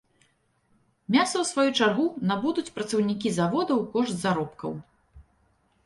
Мяса ў сваю чаргу набудуць працаўнікі завода ў кошт заробкаў.